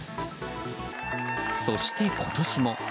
そして、今年も。